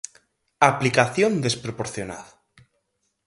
Aplicación desproporcionada.